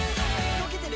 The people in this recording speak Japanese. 「溶けてる？」